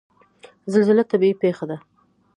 زلزله طبیعي پیښه ده